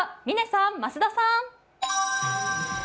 嶺さん、増田さん！